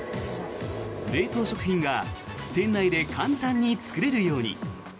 冷凍食品が店内で簡単に作れるように。